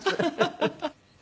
ハハハハ。